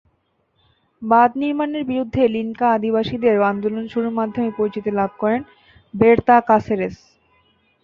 বাঁধ নির্মাণের বিরুদ্ধে লিনকা আদিবাসীদের আন্দোলন শুরুর মাধ্যমে পরিচিতি লাভ করেন বেরতা কাসেরেস।